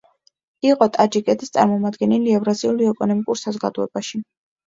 იყო ტაჯიკეთის წარმომადგენელი ევრაზიული ეკონომიკურ საზოგადოებაში.